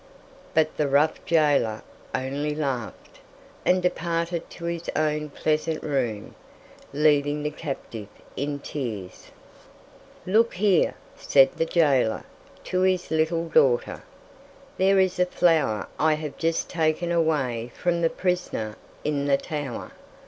But the rough jailer only laughed, and departed to his own pleasant room, leaving the captive in tears. [Illustration: Child with basket of flowers] "Look here," said the jailer to his little daughter, "there is a flower I have just taken away from the prisoner in the tower.